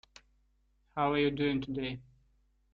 How are you doing today?